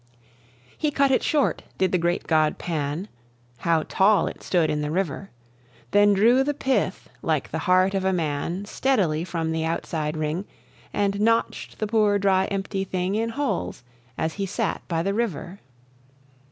He cut it short, did the great god Pan (How tall it stood in the river!), Then drew the pith, like the heart of a man, Steadily from the outside ring, And notched the poor dry empty thing In holes, as he sat by the river.